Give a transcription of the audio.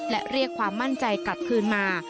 และเรียกความมั่นใจกลับคืนมา